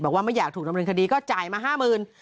บอกว่าไม่อยากถูกทำเรื่องคดีก็จ่ายมา๕๐๐๐๐บาท